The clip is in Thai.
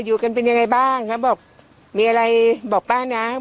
อยู่กันเป็นยังไงบ้างครับบอกมีอะไรบอกป่านะไม่มี